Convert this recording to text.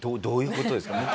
どういう事ですか？